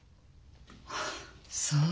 ああそう。